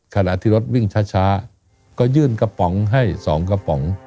ขณะที่รถวิ่งช้าก็ยื่นกระป๋องให้๒กระป๋อง